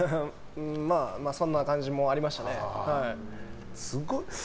まあそんな感じもありましたね。